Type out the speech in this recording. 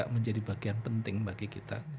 menjadi bagian penting bagi kita